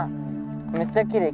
めっちゃきれい。